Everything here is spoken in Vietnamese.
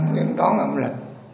những con âm lịch